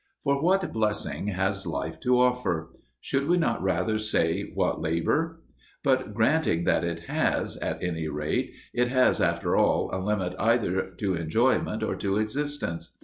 For what blessing has life to offer? Should we not rather say what labour? But granting that it has, at any rate it has after all a limit either to enjoyment or to existence.